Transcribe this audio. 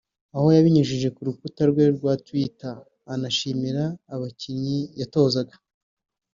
aho yabinyujije ku rukuta rwe rwa Twittter anashimira abakinnyi yatozaga